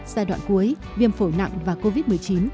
giai đoạn cuối viêm phổ nặng và covid một mươi chín